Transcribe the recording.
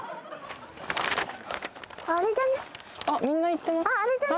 みんな行ってます